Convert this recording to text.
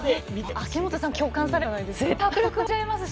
秋元さん共感されるんじゃないですか？